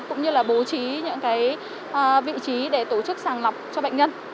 cũng như bố trí những vị trí để tổ chức sàng lọc cho bệnh nhân